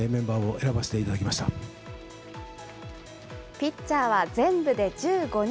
ピッチャーは全部で１５人。